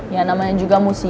ya namanya juga musim